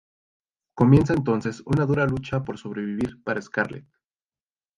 Comienza entonces una dura lucha por sobrevivir para Scarlett.